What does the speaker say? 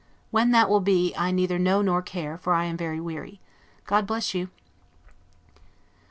When that will be, I neither know nor care, for I am very weary. God bless you!